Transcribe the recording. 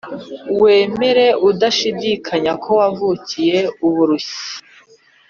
wemere udashidikanya ko wavukiye uburushyi